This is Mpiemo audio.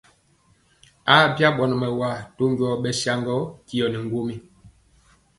Abya ɓɔnɔ mɛwaa to njɔɔ ɓɛsaŋgɔ tyɔ ŋgom.